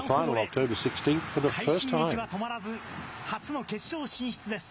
快進撃は止まらず、初の決勝進出です。